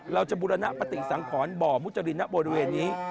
เราจะบุรณะปฏิสังขรบ่อมุจรินทร์นักบริเวณนี้